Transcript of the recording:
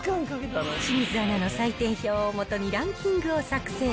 清水アナの採点表を基にランキングを作成。